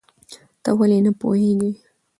ته ولې نه پوهېږې؟